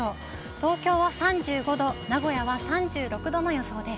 東京は３５度、名古屋は３６度の予想です。